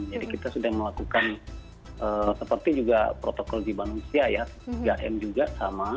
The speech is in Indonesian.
jadi kita sudah melakukan seperti juga protokol di banungsia ya tiga m juga sama